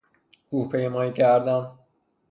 کوه پیمایی کردن